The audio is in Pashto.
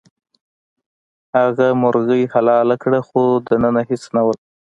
هغه مرغۍ حلاله کړه خو دننه هیڅ نه وو.